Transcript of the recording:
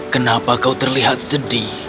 kenapa kau terlihat sedih